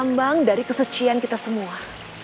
ambang dari kesucian kita semua